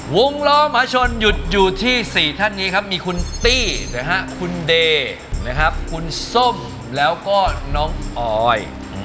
วงล้อมหาชนหยุดอยู่ที่๔ท่านนี้ครับมีคุณตี้นะฮะคุณเดย์นะครับคุณส้มแล้วก็น้องออย